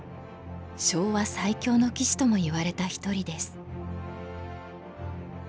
昭和最強の棋士ともいわれた一人です。